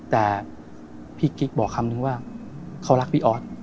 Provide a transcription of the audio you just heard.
แต่พี่กิ๊กบอกคำนึงว่าเขารักพี่ออส